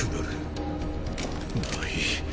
まあいい。